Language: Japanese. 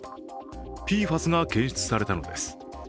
ＰＦＡＳが検出されたのです。